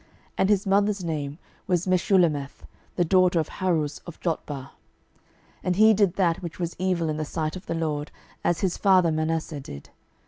And his mother's name was Meshullemeth, the daughter of Haruz of Jotbah. 12:021:020 And he did that which was evil in the sight of the LORD, as his father Manasseh did.